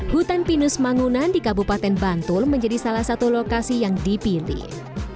hutan pinus mangunan di kabupaten bantul menjadi salah satu lokasi yang dipilih